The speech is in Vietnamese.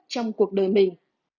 trong cuộc đời mình